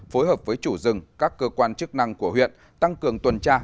phối hợp với chủ rừng các cơ quan chức năng của huyện tăng cường tuần tra